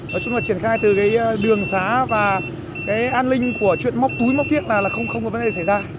nói chung là triển khai từ đường xá và an ninh của chuyện móc túi móc tiện là không có vấn đề xảy ra